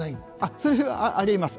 それはあります。